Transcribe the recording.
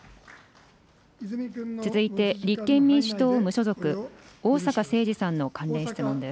続いて、立憲民主党・無所属、逢坂誠二さんの関連質問です。